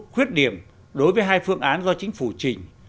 khuyết điểm đối với hai phương án do chính phủ trình